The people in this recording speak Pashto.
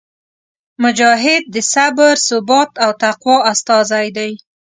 مجاهد د صبر، ثبات او تقوا استازی دی.